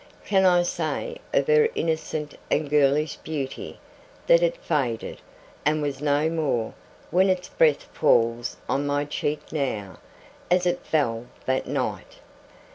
Can I say of her innocent and girlish beauty, that it faded, and was no more, when its breath falls on my cheek now, as it fell that night?